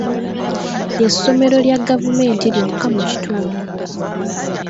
Ly'essomero lya gavumenti lyokka mu kitundu.